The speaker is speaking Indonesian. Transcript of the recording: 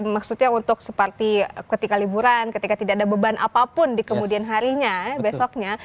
maksudnya untuk seperti ketika liburan ketika tidak ada beban apapun di kemudian harinya besoknya